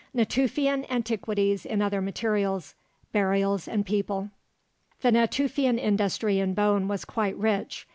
NATUFIAN ANTIQUITIES IN OTHER MATERIALS; BURIALS AND PEOPLE The Natufian industry in bone was quite rich.